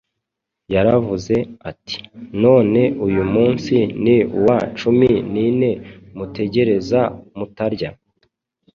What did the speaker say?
Yaravuze ati, “None uyu munsi ni uwa cumi n’ine mutegereza mutarya,